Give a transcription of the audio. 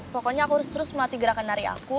pokoknya aku harus terus melatih gerakan nari aku